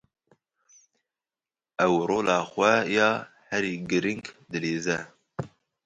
Ew rola xwe, ya herî girîng dilîze.